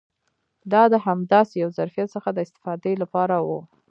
دا د همداسې یو ظرفیت څخه د استفادې لپاره و.